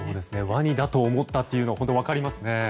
ワニだと思ったというのも分かりますね。